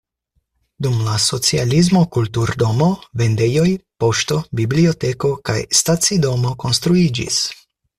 Dum la socialismo kulturdomo, vendejoj, poŝto, biblioteko kaj stacidomo konstruiĝis.